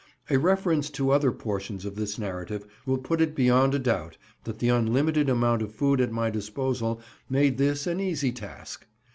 A reference to other portions of this narrative will put it beyond a doubt that the unlimited amount of food at my disposal made this an easy task.